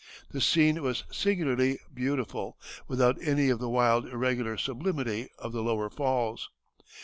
The scene was singularly beautiful, without any of the wild irregular sublimity of the lower falls."